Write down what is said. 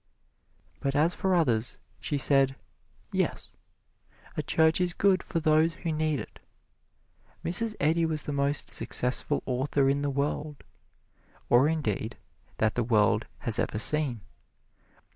But as for others, she said, Yes, a church is good for those who need it. Mrs. Eddy was the most successful author in the world, or, indeed, that the world has ever seen.